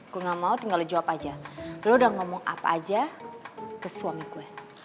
gue gak mau tinggal lo jawab aja lo udah ngomong apa aja ke suami gue